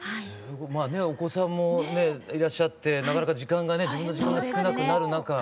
まあねお子さんもいらっしゃってなかなか時間がね自分の時間が少なくなる中。